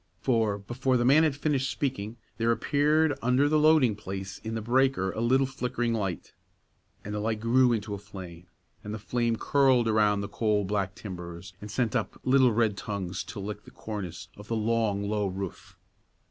For, before the man had finished speaking, there appeared under the loading place in the breaker a little flickering light, and the light grew into a flame, and the flame curled around the coal black timbers, and sent up little red tongues to lick the cornice of the long, low roof.